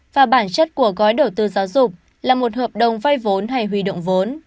và bản chất của gói đầu tư giáo dục là một hợp đồng vay vốn hay huy động vốn